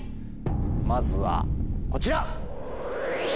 まずはこちら！